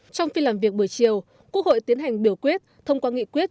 trong phiên làm việc buổi chiều quốc hội tiến hành biểu quyết thông qua nghị quyết